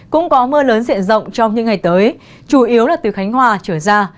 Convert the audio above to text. cũng có mưa lớn diện rộng trong những ngày tới chủ yếu là từ khánh hòa trở ra